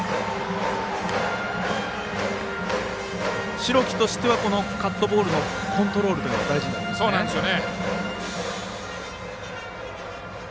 代木としてはカットボールのコントロールが大事になりますね。